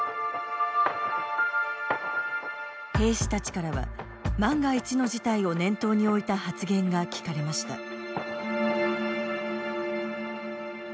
兵士たちからは万が一の事態を念頭に置いた発言が聞かれました。